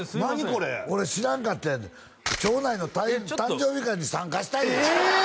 これ俺知らんかってん町内の誕生日会に参加したんよええ！